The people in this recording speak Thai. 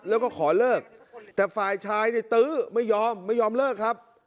แล้วก็ขอเลิกแต่ฝ่ายชายในตื้อไม่ยอมไม่ยอมเลิกครับ